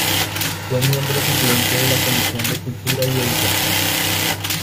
Fue miembro suplente de la comisión de Cultura y Educación.